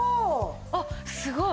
あっすごい。